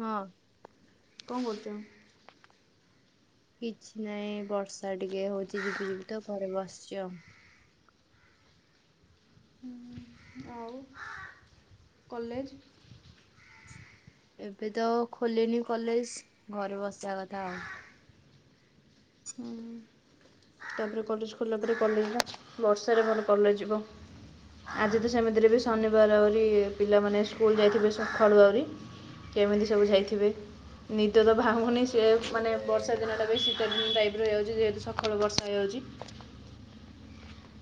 ହଁ କଣ କରୁଛ କିଛି ନାଇଁ ବର୍ଷା ଟିକେ ହଉଛି ଯିବି ଯିବି ତ ଘରେ ବସିଚି ଆଉ ଆଉ କଲେଜ ଏବେ ତ ଖୋଲିନି କଲେଜ ଘରେ ବସିବା କଥା ଆଉ ହୁଁ ତାପରେ କଲେଜ ଖୋଲିଲା ପରେ କଲେଜ ବର୍ଷାରେ ମୋର କଲେଜ ଯିବ ଆଜି ତ ସେମିତିରେ ବି ଶନିବାର ଆହୁରି ପିଲାମାନେ ସ୍କୁଲ୍ ଯାଇଥିବେ ସକାଳୁ ଆହୁରି କେମିତି ସବୁ ଯାଇଥିବେ? ନିଦ ତ ଭାଙ୍ଗୁନି ସେ ମାନେ ବର୍ଷା ଦିନ ଟା ବି ଶୀତ ଦିନ ଟାଇପ୍ ର ହେଇ ଯାଉଛି ଯେହେତୁ ସକାଳୁ ବର୍ଷା ହେଇଯାଉଚି।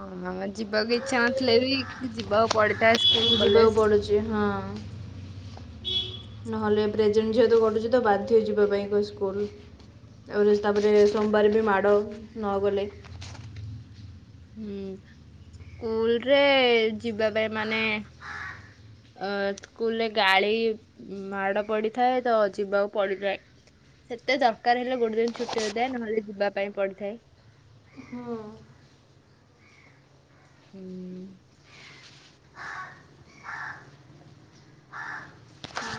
ହଁ ମାମା ଯିବାକୁ ଇଚ୍ଛା ନଥିଲେ ବି ଯିବାକୁ ପଡିଥାଏ। କୁ ସ୍କୁଲ ଯିବାକୁ କଲେଜ। ପଡୁଛି ହଁ। ନହେଲେ ପ୍ରେଜେଣ୍ଟ ଯେହେତୁ ଘଟୁଛି ତ ବାଧ୍ୟ ଯିବା ପାଇଁ କ ସ୍କୁଲ୍। ଆହୁରି ତାପରେ ସୋମ୍ବାର ବି ମାଡ଼ ନଗଲେ। ହୁଁ ସ୍କୁଲ୍ ରେ ଯିବା ପାଇଁ ମାନେ ଅ ସ୍କୁଲ୍ ରେ ଗାଳି ମାଡ ପଡିଥାଏ ତ ଯିବାକୁ ପଡିଥାଏ। ସେତେ ଦର୍କାର ହେଲେ ଗୋଟେ ଦିନ୍ ଛୁଟି ହୋଇଥାଏ, ନହେଲେ ଯିବା ପାଇଁ ପଡିଥାଏ। ହଁ। ଉଁ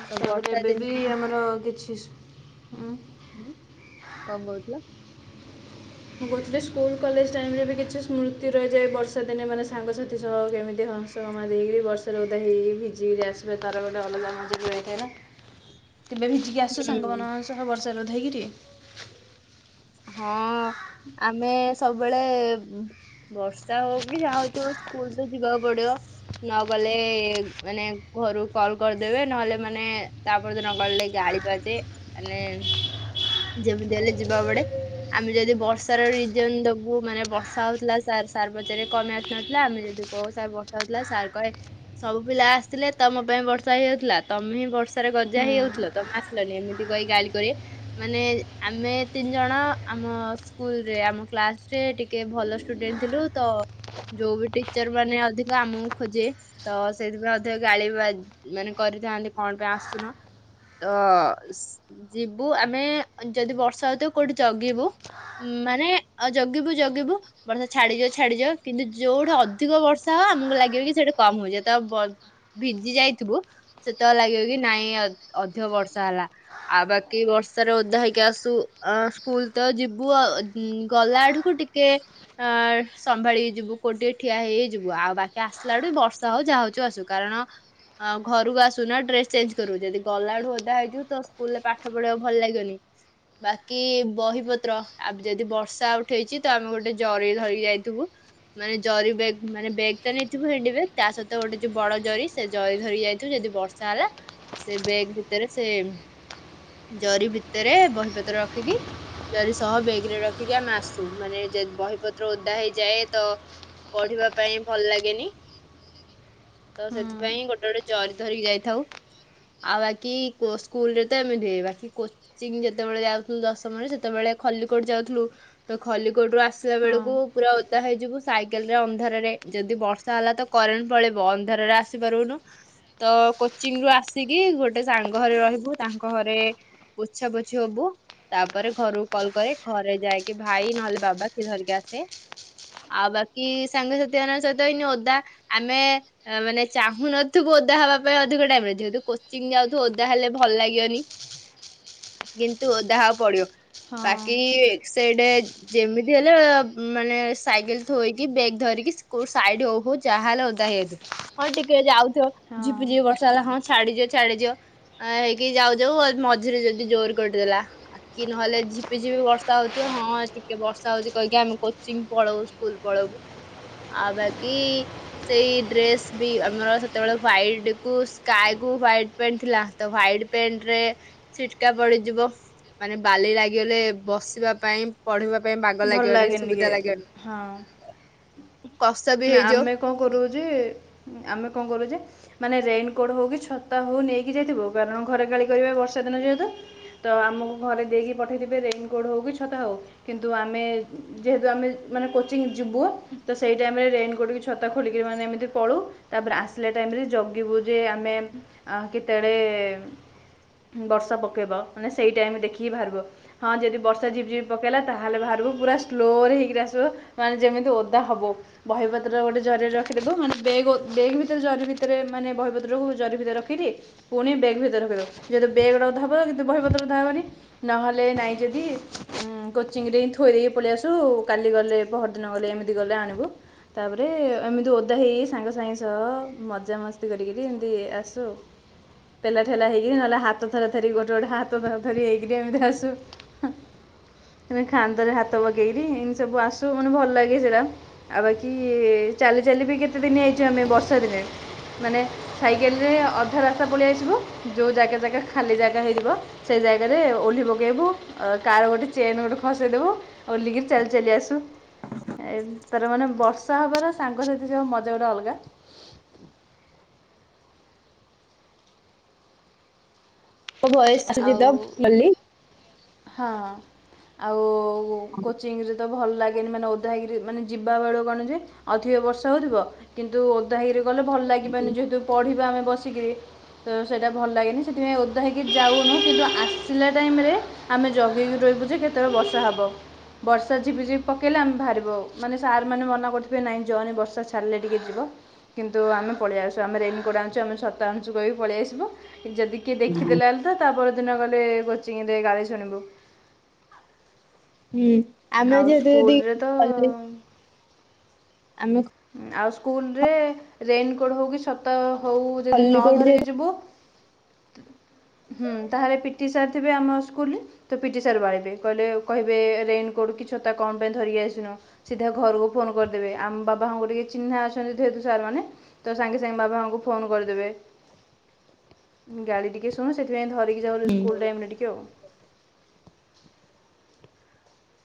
ତ ତାପରେ ବର୍ଷା ଏବେ ଦିନେ ବି ଆମର କିଛି ସୂ ଉଁ। ଉଁ କଁ କୋଉଥିଲ? ମୁଁ କୋଉଥିଲି ସ୍କୁଲ୍ କଲେଜ ଟାଇମ୍ ରେ ବି କିଛି ସ୍ମୃତି ରହିଯାଏ, ବର୍ଷା ଦିନେ ମାନେ ସାଙ୍ଗସାଥି ସହ କେମିତି ହସ୍ ତ ମା ଦେଇକିରି ବର୍ଷାରେ ଓଦା ହେଇ ହେଇ ଭିଜିକିରି ଆସିବା ତାର ଗୋଟେ ଅଲଗା ମଜା ବି ରହିିଥାଏ ନା। ତେବେ ଭିଜିକି ଆସିଚୁ ହୁଁ ସାଙ୍ଗମାନଙ୍କ ସହ ବର୍ଷାରେ ଓଦା ହେଇକିରି। ହଁ ଆମେ ସବୁବେଳେ ବୁଁ ବର୍ଷା ହୋଉ କି ଯାହା ହୋଉଚି ହୋଉ ସ୍କୁଲ୍ ତ ଯିବାକୁ ପଡିବ। ନ ଗଲେ ମାନେ ଘରୁ କଲ୍ କରିଦେବେ ନହେଲେ ମାନେ ତାପର ଦିନ ଗଲେ ଗାଳି ବାଜେ ତାନେ ଯେମିତି ହେଲେ ଯିବାକୁ ପଡେ। ଆମେ ଯଦି ବର୍ଷାର ରିଜନ୍ ଦବୁ ମାନେ ବର୍ଷା ହୋଉଥିଲା ସାର୍ ସାର୍ ପଚାରିବେ କଁ ପାଇଁ ଆସି ନଥିଲ ଆମେ ଯେଦି କୋଉ ସାର୍ ବର୍ଷା ହୋଉଥିଲା, ସାର୍ କହେ ସବୁ ପିଲା ଆସିଥିଲେ ତମ ପାଇଁ ବର୍ଷା ହେଇଯାଉଥିଲା, ତମେ ହିଁ ବର୍ଷାରେ ଗଜା ହୁଁ ହେଇଯାଉଥିଲ ତମେ ଆ ଆସିଲ ନେଇଁ ଏମିତି କହି ଗାଳି କରିବେ, ମାନେ ଆମେ ତିନ୍ ଜଣ ଆମ ସ୍କୁଲ୍ ରେ ଆମ କ୍ଲାସ୍ ରେ ଟିକେ ଭଲ ଷ୍ଟୁଡେଣ୍ଟ ଥିଲୁ ତ ଯୋଉ ବି ଟିଚର୍ ମାନେ ଅଧିକ ଆମକୁ ଖୋଜିବେ ତ ସେଇଥିପାଇଁ ଅଧିକ ଗାଳି ବି ବାଜ୍ ମାନେ କରିଥାନ୍ତି କଣ ପାଇଁ ଆସୁନ? ତ ଯିବୁ ସ୍- ଯିବୁ ଆମେ ଯଦି ବର୍ଷା ହୋଉଥିବ କୋଉଠି ଜଗିବୁ। ଉ ମାନେ ଅ ଜଗିବୁ ଜଗିବୁ। ବର୍ଷା ଛାଡିଯିବ ଛାଡିଯିବ କିନ୍ତୁ ଯୋଉଠି ଅଧିକ ବର୍ଷା ହବ ଆମୁକୁ ଲାଗିବ କି ସେଇଠି କମ୍ ହୋଉଛି ଯେତେବେଳେ ବ ଭିଜି ଯାଇଥୁବୁ ସେତେବେଳେ ଲାଗିବ କି ନାଇଁ ଅ ଅଧିକ ବର୍ଷା ହେଲା। ଆଉ ବାକି ବର୍ଷାରେ ଓଦା ହେଇକି ଆସୁ ଅ କୁଲ୍ ତ ଯିବୁ ଆଉ ଗଲା ଏଠୁକୁ ଟିକେ ଅ ସମ୍ଭାଳିହେଇ ଯିବୁ କୋଉଠି ଟିକେ ଠିଆ ହେଇ ହେଇ ଯିବୁ, ଆଉ ବାକି ଆସିଲା ଏଠୁ ବର୍ଷା ହୋଉ ଯାହା ହୋଉଛି ହୋଉ ଆସୁୁ। କାରଣ ଆଉ ଘରୁକୁ ଆସୁ ନା ଡ୍ରେସ୍ ଚେଞ୍ଜ୍ କରୁ, ଯଦି ଗଲା ଏଳୁ ଓଦା ହେଇଥିବୁ ତ ସ୍କୁଲ୍ ରେ ପାଠ ପଢ଼ିବାକୁ ଭଲ ଲାଗିବନି। ବାକି ବୁ ବହିପତ୍ର ଆବ୍ ଯଦି ବର୍ଷା ଉଠେଇଛି ତ ଆମେ ଗୋଟେ ଜରି ଧରିକି ଯାଇଥୁବୁ। ମାନେ ଜରି ବେଗ୍ ମାନେ ବେଗ୍ ତ ନେଇଥିବୁ ହେଣ୍ଡି ବେଗ୍ ତା ସହିତ ଗୋଟେ ଯୋଉ ବଡ ଜରି ସେ ଜରି ଧରିକି ଯାଇଥିବୁ ଯେଦି ବର୍ଷ ଚାଲା ହେଲା ସେ ବେଗ୍ ଭିତରେ ସେ ଜରି ଭିତରେ ବହିପତ୍ର ରଖିକି ଜରି ସହ ବେଗ୍ ରେ ରଖିକି ଆମେ ଆସୁ, ମାନେ ଯଦି ବହିପତ୍ର ଓଧା ହେଇଯାଏ ତ ପଢିବା ପାଇଁ ଭଲ୍ ଲାଗେନି। ତ ହୁଁ ସେଥିପାଇଁ ଗୋଟେ ଗୋଟେ ଜରି ଧରିକି ଯାଇଥାଉ। ଆଉ ବାକି କୋ ସ୍କୁଲ ରେ ତ ଏମିତି, ବାକି କୋଚିଂ ଯେତେବେଳେ ଯାଉଥିଲୁ ଦଶମରେ ସେ ତେବେଳେ ଖଲିକୋଟ ଯାଉଥିଲୁ, ତ ଖଲିକୋଟ ରୁ ଆସିବା ହଁ ବେଳକୁ ପୁରା ଓ ତ ହେଇଯିବୁ ସାଇକେଲ ରେ ଅନ୍ଧାରରେ ଯଦି ବର୍ଷା ହେଲା ତ କରେଣ୍ଟ ପଳେଇବ ଅନ୍ଧାରରେ ଆସି ପାରିବୁନୁ। ତ କୋଚିଂ ରୁ ଆସିକି ଗୋଟେ ସାଙ୍ଗ ଘରେ ରହିବୁ, ତାଙ୍କ ଘରେ ପୋଛା ପୋଛି ହବୁ ତାପରେ ଘରକୁ କଲ୍ କରେ ଘରେ ଯାଇକି ଭାଇ ନହେଲେ ବାବା କିଏ ଧରିକି ଆସେ। ଆଉ ବାକି ସାଙ୍ଗସାଥି ମାନଙ୍କ ସହିତ ଏଇନ ଓଦା ଆମେ ଏ ମାନେ ଚାହୁଁନଥିବୁ ଓଦା ହବା ପାଇଁ ଅଧିକ ଟାଇମ ରେ, ଯେହେତୁ କୋଚିଂ ଯାଉଥୁବୁ ଓଦା ହେଲେ ଭଲ ଲାଗିବନି ହ କିନ୍ତୁ ଓଦା ହେବାକୁ ପଡ଼ିବ। ବାକି ହଁ ସେଠେ ଯେମିତି ହେଲେ ମାନେ ସାଇକେଲ ଥୋଇକି ବ୍ୟାଗ୍ ଧରିକି ଷ୍କୁ କୋଉ ସାଇଡ ହଉ ହଉ ଚାହା ହେଲେ ଓଦା ହେଇଯାଇଥିବ, ହଁ ଟିକେ ଯାଉଥିବ ଝିପିଝିପି ହଁ ବର୍ଷା ହେଲା ହଁ ଛାଡିଯିଅ ଛାଡିଯିଅ ଆ ହେଇକି ଯାଉ ଯାଉ ମଝିରେ ଯଦି ଜୋର କରିଦେଲା ବାକି ନହେଲେ ଝିପି ଝିପି ବର୍ଷା ହଉଥିବ ହଁ ଟିକେ ବର୍ଷା ହଉଚି କହିକି ଆମେ କୋଚିଂ ପଳଉ ସ୍କୁଲ ପଳଉ। ଆଉ ବାକି ସେଇ ଡ୍ରେସ୍ ବି ଆମର ସେତେବେଳେ ହ୍ୱାଇଟ କୁ ସ୍କାୟ କୁ ହ୍ୱାଇଟ୍ ଟ୍ ଥିଲା ତ ହାଇଟ ପେଣ୍ଟ ରେ ଛିଟକା ପଡିଯିବ, ମାନେ ବାଲି ଲାଗ ଗଲେ ବସିବା ପାଇଁ ପଢିବା ପାଇଁ ବାଗ ଭଲ ଲାଗିବନି ଲାଗେନି ଟିକେ ସୁବିଧା ଲାଗିବନି। ହଁ କସ ନା ଆମେ କଣ କରୁ ଯେ ଆମେ କଣ କରୁ ଯେ ମାନେ ରେନକୋଟ ହଉ କି ଛତା ହଉ ନେଇକି ଯାଇଥିବୁ କାରଣ ଘରେ ଗାଳି କରିବେ ବର୍ଷା ଦିନ ଯେହେତୁ ତ ଆମକୁ ଘରେ ଦେଇକି ପଠେଇଥିବେ ରେନକୋଟ ହଉ କି ଛତା ହଉ। କିନ୍ତୁ ଆମେ ଯେହେତୁ ଆମେ ମାନେ କୋଚିଂ ଯିବୁ ତ ସେଇ ରେ ଆମେ ରେନକୋଟ କି ଛତା ଖୋଲିକି ମାନେ ଏମତି ପଳଉ, ତାପରେ ଆସିଲା ଟାଇମରେ ଜଗିବୁ ଯେ ଆମେ ଆ କେତେବେଳେ ବର୍ଷା ପକେଇବ ମାନେ ସେଇ ଟାଇମ ଦେଖିକି ବାହାରିବ। ହଁ ଯଦି ବର୍ଷା ଝିପଝିପି ପକେଇଲା ତାହେଲେ ବାହାରକୁ ପୁରା ସ୍ଲୋ ରେ ହେଇକି ଆସିବ। ମାନେ ଯେମିତି ଓଦା ହବ। ବହିପତ୍ର ଗୋଟେ ଜରିରେ ରଖିଦେବୁ, ମାନେ ବେଗ ଓ ବେଗ ଭିତରେ ଜରି ଭିତରେ ମାନେ ବହିପତ୍ରକୁ ଜରି ଭିତରେ ରଖିକିରି ପୁଣି ବେଗ୍ ଭିତରେ ରଖିଦବୁ। ଯଦି ବେଗ ଟା ଓଦା ହବ କିନ୍ତୁ ବହି ପତ୍ର ଅଦା ହବନି। ନହେଲେ ନାଇଁ ଯଦି ଉଁ କୋଚିଂରେ ଥୋଇ ଦେଇକି ପଳେଇ ଆସୁ। କାଲି ଗଲେ ପୋହ ଗଲେ ଏମିତି ଗଲେ ଆଣିବୁ। ତାପରେ ଏମିତି ଓଦା ହେଇ ହେଇ ସାଙ୍ଗ ସାଙ୍ଗ ସହ ମଜାମସ୍ତି କରିକରି ଏମିତି ଆସୁ। ପେଲା ଠେଲା ହେଇକିରି ନହେଲେ ହାତ ଥରା ଥରି ଗୋଟେ ଗୋଟେ ହାତ ଧରା ଧରି ହେଇକରି ଏମିତି ଆସୁ। ଏମିତି ଖାନ୍ଦରେ ହାତ ପକେଇକି ଏମିତି ସବୁ ଆସୁ ମାନେ ଭଲ ଲାଗେ ସେଟା। ଆଉ ବାକି ଚାଲି ଚାଲି ବି କେତେ ଦିନ ହେଇଚୁ ଆମେ ବର୍ଷା ଦିନେ ମାନେ ସାଇକେଲରେ ଅଧା ରାସ୍ତା ପଳେଇଆସିବୁ, ଯଉଁ ଜାଗା ଜାଗାରେ ଖାଲି ଜାଗା ହେଇଯିବ ସେଇ ଜାଗାରେ ଓହ୍ଲି ପକେଇବୁ। ଅ କାର ଗୋଟେ ଚେନ୍ ଗୋଟେ ଖସେଇଦବୁ। ଓଲିହିକି ଚାଲି ଚାଲି ଆସୁ। ଏମ୍ ମାନେ ବର୍ଷା ହବାର ସାଙ୍ଗ ସାଥି ସବୁ ମଜା ଗୋଟେ ଅଲଗା। ତୋ ଭୟସ ଆଉ ହଁ। ଆଉ କୋଚିଂରେ ତ ଭଲ ଲାଗେନି ମାନେ ଓଦା ହେକରି ମାନେ ଯିବା ବେଳୁ କଣ ଯେ ଅଧିକ ବର୍ଷା ହଉଥିବ କିନ୍ତୁ ଓଦା ହେଇକିରି ଗଲେ ଭଲ ଲାଗିବନି ଯେହେତୁ ପଢ଼ିବା ଆମେ ବସିକିରି ତ ସେଇଟା ଭଲ ଲାଗେନି ସେଥିପାଇଁ ଓଦା ହେଇକିରି ଯାଉନୁ କିନ୍ତୁ ଆସିଲା ଟାଇମରେ ଆମେ ଜଗିକି ରହିବୁ ଯେ କେତେବେଳେ ବର୍ଷା ହେବ। ବର୍ଷା ଝିପି ଝିପି ପ ହେଲେ ଆମେ ବାହାରିବ ମାନେ ସାରମାନେ ମନା କରୁଥିବେ ନାଇଁ ଜନି ବର୍ଷା ଛାରିଲେ ଟିକେ ଯିବ। କିନ୍ତୁ ଆମେ ପଳେଇ ଆସୁ ଆମେ ରେନିକୋଟା ଆଣିଚୁ ଆମେ ଛତା ଆଣିଚୁ କହି ପଲେଇ ଆସୁବୁ। ଯଦି କିଏ ଦେଖିଦେଲେ ତ ତାପ ଦିନ ଗଲେ କୋଚିଂରେ ଗାଳି ଶୁଣିବୁ। ହୁଁ ଆମେ ଆଉ ଯେହେତୁ ସ୍କୁଲରେ ତ ଯଦି ଆମେ ଆଉ ସ୍କୁଲ ରେ ରେନିକୋଡ ହଉ କିି ଛ ତ ହଉ ଯଦି ନ କଲିକୋଟ ଧରିକି ଯେହେତୁ ଯିବୁ ହୁଁ ତାହେଲେ ପିଟି ସାର୍ ଥିବେ ଆମ ସ୍କୁଲରେ ତ ପିଟି ସାର୍ ବା ଏବେ କହିଲେ କହିବେ ରେନକୋଡ଼ କି ଛତା କଣ ପାଇଁ ଧରିକି ଆସିନ ସିଧା ଘରକୁ ଫୋନ କରିଦେବେ ଆମ ବା ବାବାଙ୍କୁ ଟିକେ ଚିହ୍ନା ଅଛନ୍ତି, ଯେହେତୁ ସାରମାନେ ତ ସାଙ୍ଗେ ସାଙ୍ଗେ ବାବାଙ୍କୁ ଫୋନ କରିଦେବେ। ଗାଳି ଟିକେ ଶୁଣୁ ସେଇଥିପାଇଁ ଧରିକି ଯାଉ ସ୍କୁଲ ହୁଁ ଟାଇମରେ ଟିକେ ଆଉ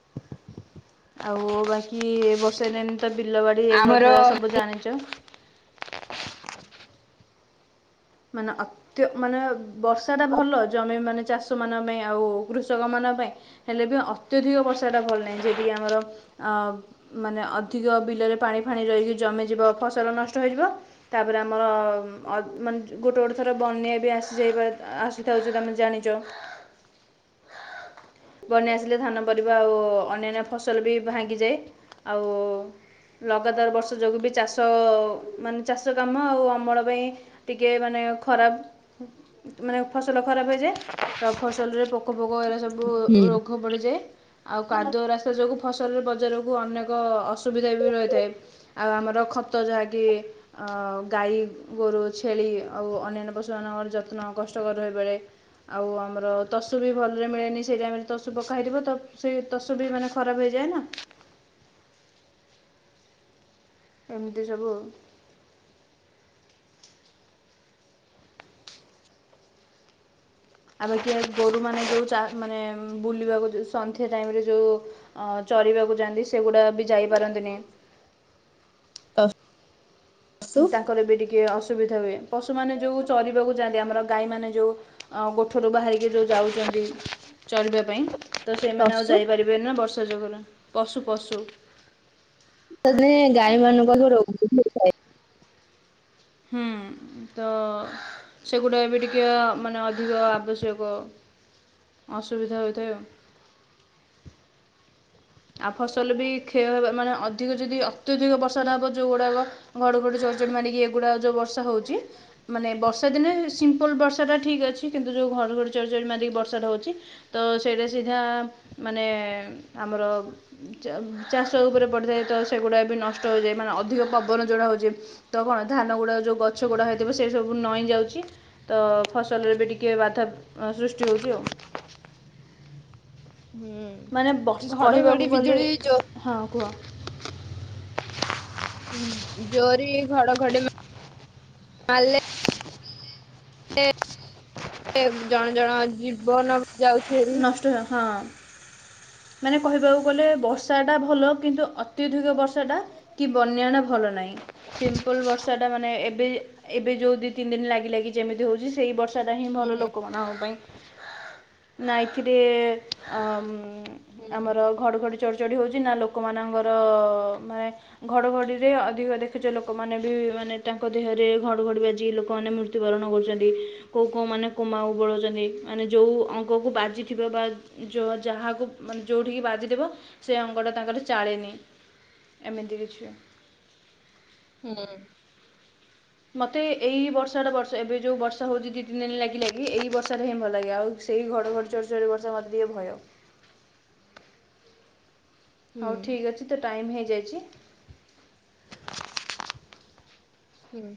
[unintelligible] ଆଉ ବାକି ବର୍ଷେ ତ ବିଲବାଡି ଏ ଆମର କଥା ସବୁ ଜାଣିଛ ମାନେ ଅ ମାନେ ବର୍ଷାଟା ଭଲ ଜମିମାନେ ଚାଷମାନଙ୍କ ପାଇଁ ଆଉ କୃଷକମାନଙ୍କ ପାଇଁ ହେଲେ ବି ଅତ୍ୟଧିକ ବର୍ଷାଟା ଭଲ ନାହିଁ ଯଦି ଆମର ଅ ମାନେ ଅଧିକ ବିଲରେ ପାଣି ଫାଣି ରହିକି ଜମିଯିବ, ଫସଲ ନଷ୍ଟ ହୋଇଯିବ ତାପରେ ଆମର ଅ ମା ଗୋଟେ ଗୋଟେ ଥର ବନ୍ୟା ବି ଆସିଯାଇ ଆସିଥାଉଛି ତମେ ଜାଣିଛ [unintelligible] ବନ୍ୟା ଆସିଲେ ଧାନ ପରିବା ଆଉ ଅନାନ୍ୟା ଫସଲ ବି ଭାଙ୍ଗିଯାଏ ଆଉ ଲଗାତାର ବର୍ଷା ଯୋଗୁଁ ବି ଚାଷ ମାନେ ଚାଷ କାମ ଆଉ ଅମଳ ପାଇଁ ଟିକେ ମାନେ ଖରାପ ମାନେ ଫସଲ ଖରାପ ହେଇଯାଏ ଆଉ ଫସଲରେ ପୋ ପୋକ ହେଲା ସବୁ ହୁଁ ରୋଗ ବଢ଼ିଯାଏ। ଆଉ କାଦୁଅ ରାସ୍ତା ଯୋଗୁଁ ଫସଲରେ ବଜାରକୁ ଅନେକ ଅସୁବିଧା ବି ରହିଥାଏ। ଆଉ ଆମର ଖତ ଯାହାକି ଗାଈ, ଗୋରୁ ଛେଳି ଆଉ ଅନ୍ୟନ୍ୟା ପଶୁମାନଙ୍କର ଯତ୍ନ କଷ୍ଟକର ହେଇପାରେ। ଆଉ ଆମର ତଷୁ ବି ଭଲରେ ମିଳେନି ସେଇ ଟାଇମରେ ତଷୁ ପକା ହେଇଥିବ ତ ସେ ତଶୁ ବି ମାନେ ଖରାପ ହେଇଯାଏ ନା ଏମିତି ସବୁ ଆମ କିଆରି ଗୋରୁମାନେ ଯୋଉ ଚା ମାନେ ବୁଲିବାକୁ ଯୋଉ ସନ୍ଧ୍ୟା ଟାଇମରେ ଯୋଉ ଅ ଚରିବାକୁ ଯାଆନ୍ତି, ସେଗୁଡାକ ବି ଯାଇପାରନ୍ତିନି [unintelligible] ତସୁ ତାଙ୍କର ବି ଟିକେ ଅସୁବିଧା ହୁଏ, ପଶୁମାନେ ଯୋଉ ଚରିବାକୁ ଯା ଆମର ଗାଈମାନେ ଯୋଉ ଗୋଠରୁ ବାହାରିକି ଯୋଉ ଯାଉଚନ୍ତି ଚରିବାପାଇଁ ତ ସେମାନେ ଆଉ ତସୁ ଯାଇପାରିବେନି ନା ବର୍ଷା ଯୋଗରୁ ପଶୁ ପଶୁ ତା ଗାଈ ମାନଙ୍କ ପାଖରୁ [unintelligible] ହୁଁ - ତ- ସେଗୁଡ଼ାକ ବି ଟିକିଏ ମାନେ ଅଧିକ ଆବଶ୍ୟକ ଅସୁବିଧା ହୋଇଥାଏ ଆଉ ଆଉ ଫସଲ ବି କ୍ଷୟ ହେ ମାନେ ଅଧିକ ଯଦି ଅତ୍ୟଧିକ ବର୍ଷାଟା ହବ ଯୋଉଗୁଡାକ ଘଡଘଡି [unintelligible] ମାରି କି ଏଗୁଡା ଯୋଉ ବର୍ଷା ହଉଛି ମାନେ ବର୍ଷା ଦିନେ ସିମ୍ପୁଲ୍ ବର୍ଷାଟା ଠିକ୍ ଅଛି କିନ୍ତୁ ଯୋଉ ଘଡଘଡ଼ି ଚଡ଼ଚଡ଼ି ମାରିକି ବର୍ଷାଟା ହେଉଛି ତ ସେଇଟା ସିଏ ଯାହା ମାନେ ଆମର ଉ ଚା-ଚାଷ ଉପରେ ପଡ଼ିଥାଏ ତ ସେଗୁଡ଼ାକ ବି ନଷ୍ଟ ହୋଇଯାଏ ମାନେ ଅଧିକ ପବନ ଯୋଉଟା ହଉଛି ତ କଣ ଧାନ ଗୁଡାକ ଯୋଉ ଗଛ ଗୁଡା ହେଇଥିବ ସେ ସବୁ ନଇଁ ଯାଉଛି। ତ ଫସଲରେ ବି ଟିକିଏ ବାଧା ଅଁ ସୃଷ୍ଟି ହଉଚି ଆଉ। ହୁଁ। ମାନେ ବସ୍ ଘଡଘଡି କହିବାକୁ ଗଲେ ବିଜୁଳି ଜୋ ହଁ କୁହ। ହୁଁ ଯୋଗେ ବି ଘଡଘଡି ମ ମାରିଲେ ଏ ଏ ଜଣେ ଜଣଙ୍କ ଜୀବନ ଯାଉ। ନଷ୍ଟ ହଁ। ମାନେ କହିବାକୁ ଗଲେ ବର୍ଷାଟା ଭଲ କିନ୍ତୁ ଅତ୍ୟଧିକ ବର୍ଷାଟା କି ବନ୍ୟା ଟା ଭଲ ନାଇଁ। ସିମ୍ପୁଲ୍ ବର୍ଷାଟା ମାନେ ଏବେ ଏବେ ଯୋଉ ଦି ତିନି ଦିନି ଲାଗିଲାଗି ଯେମିତି ହଉଚି ସେଇ ବର୍ଷ ସେଇଟା ହିଁ ଭଲ ହୁଁ ଲୋକମାନଙ୍କ ପାଇଁ। ନା ଏଇଥିରେ ଅ ଉଁ ହୁଁ ଆମର ଘଡ଼ଘଡ଼ି ଚ଼ଡଚଡି ହଉଚି ନା ଲୋକମାନଙ୍କର ମାନେ ଘଡଘଡିରେ ଅଧିକ ଦେଖୁଚ ଲୋକମାନେ ବି ମାନେ ତାଙ୍କ ଦେହରେ ଘଡଘଡ଼ି ବାଜିକି ଲୋକମାନେ ମୃ ତ୍ୟୁବରଣ କରୁଚନ୍ତି କୋଉ କୋଉ ମାନେ କୋମାକୁ ପଳଉଚନ୍ତି ମାନେ ଯୋଉ ଉଁ ଆଗକୁ ବାଜିଥିବ ବା ଯୋ ଅ ଯାହାକୁ ମାନେ ଯୋଉଠିକି ବାଜିଥିବ ସେ ଅଙ୍ଗଟା ତାଙ୍କର ଚାଳେନି ଏମିତି କିଛି। ହୁଁ। ମତେ ଏ ଏଇ ବର୍ଷା ଟା ବର୍ଷ ଏବେ ଯୋଉ ବର୍ଷା ହଉଚି ଦି ତିନି ଦିନି ଲାଗି ଲାଗି ଏଇ ବର୍ଷା ଟା ହିଁ ଭଲ ଲାଗେ ଆଉ ସେଇ ଘଡଘଡି ଚଡଚଡି ବର୍ଷା ମତେ ଟିକେ ଭୟ। ହୁଁ ହଉ ଠିକ୍ ଅଛି ତ ଟାଇମ ହେଇଯାଇଚି। ହୁଁ।